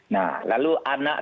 nah lalu anak